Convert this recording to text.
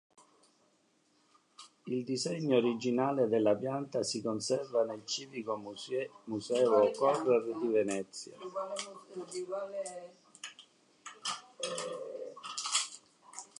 Il disegno originale della pianta si conserva nel Civico Museo Correr di Venezia.